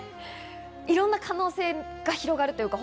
いろんな可能性が広がるというか。